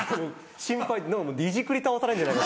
心配いじくり倒されるんじゃないか。